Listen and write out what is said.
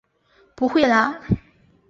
不会啦！